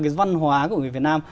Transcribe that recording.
cái văn hóa của người việt nam